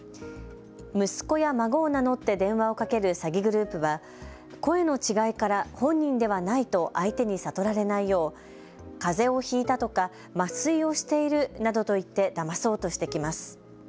息子や孫を名乗って電話をかける詐欺グループは声の違いから本人ではないと相手に悟られないよう、かぜをひいたとか麻酔をしているなどと言ってだまそうとしてきます。